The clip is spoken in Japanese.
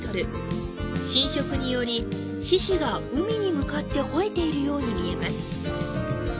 浸食により、獅子が海に向かって吠えているように見えます。